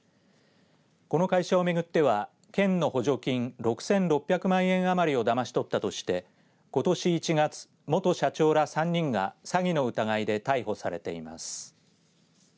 この会社を巡っては県の補助金６６００万円余りをだまし取ったとしてことし１月元社長ら３人が詐欺の疑いで逮捕されています。